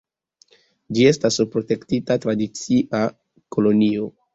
Ĝi estas protektita tradicia kolonio.